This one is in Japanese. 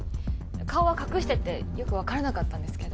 顔は隠しててよく分からなかったんですけど。